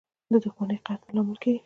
• دښمني د قهر لامل کېږي.